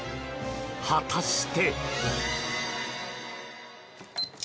果たして？